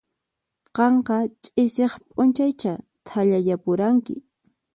Qanqa ch'isiaq p'unchaychá thallayapuranki.